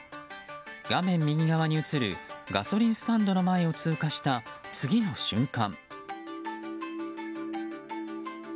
画面右側に映るガソリンスタンドの前を通過した次の瞬間